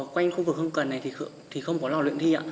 quanh khu vực hưng cần này thì không có lò luyện thi ạ